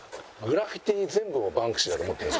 グラフィティ全部をバンクシーだと思ってる。